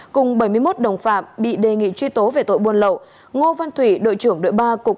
cùng bảy mươi một đồng phạm bị đề nghị truy tố về tội buôn lậu